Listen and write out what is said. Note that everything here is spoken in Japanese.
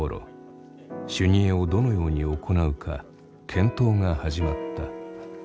修二会をどのように行うか検討が始まった。